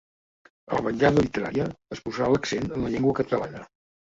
A la vetllada literària es posarà l'accent en la llengua catalana.